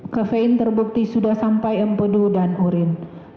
kafein terbukti sudah sampai empedu dan urin